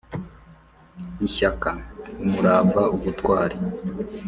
ishyaka: umurava, ubutwari.